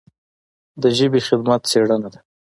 د ژبې خدمت څېړنه ده.